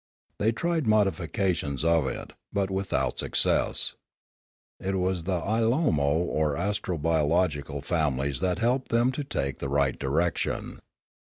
They tried modifications of it, but without success. It was the Ailomo or astrobiological families that helped them to take the right direction.